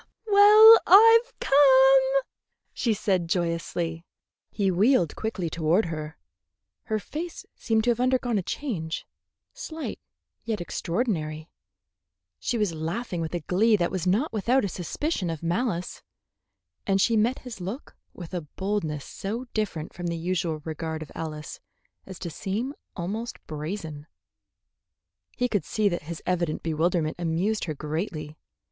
"Well, I've come," she said joyously. He wheeled quickly toward her. Her face seemed to have undergone a change, slight yet extraordinary. She was laughing with a glee that was not without a suspicion of malice, and she met his look with a boldness so different from the usual regard of Alice as to seem almost brazen. He could see that his evident bewilderment amused her greatly.